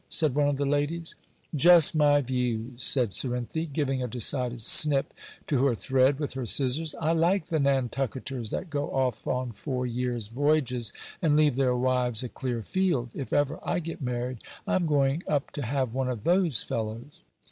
said one of the ladies. 'Just my views,' said Cerinthy, giving a decided snip to her thread with her scissors; 'I like the Nantucketers that go off on four years' voyages, and leave their wives a clear field. If ever I get married I'm going up to have one of those fellows.